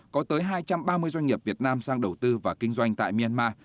có tới hai trăm ba mươi doanh nghiệp việt nam sang đầu tư và kinh doanh tại myanmar